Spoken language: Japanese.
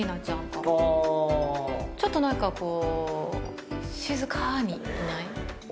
あちょっとなんかこう静かにいない？